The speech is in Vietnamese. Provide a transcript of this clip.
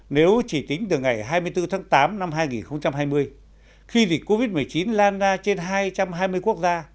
nếu chỉ tính từ ngày hai mươi bốn tháng tám năm hai nghìn hai mươi khi dịch covid một mươi chín lan ra trên hai trăm hai mươi quốc gia